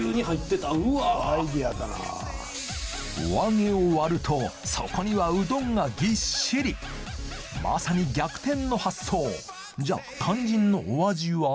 お揚げを割るとそこにはうどんがぎっしりまさに逆転の発想じゃあ肝心のお味は？